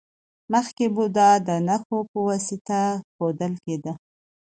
مخکې بودا د نښو په واسطه ښودل کیده